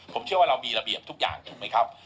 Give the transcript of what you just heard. ผมเชื่อว่าเรามีระเบียบทุกอย่างถูกไหมครับ